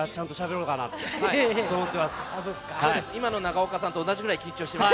そうです、今の中岡さんと同じぐらい緊張しています。